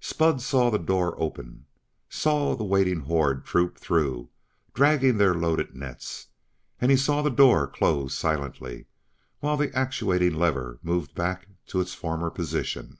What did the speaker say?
Spud saw the door open; saw the waiting horde troop through, dragging their loaded nets; and he saw the door close silently, while the actuating lever moved back to its former position.